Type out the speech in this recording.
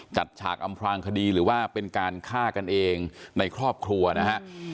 ฉากอำพลางคดีหรือว่าเป็นการฆ่ากันเองในครอบครัวนะฮะ